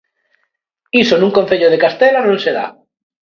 Iso nun concello de Castela non se dá.